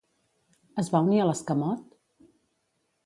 Es va unir a l'escamot?